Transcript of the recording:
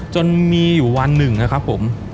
จนมีอยู่วันหนึ่งนะครับผม